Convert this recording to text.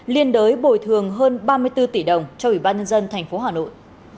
liên đới bồi thường hơn ba mươi bốn tỷ đồng cho ủy ban nhân dân thành phố hà nội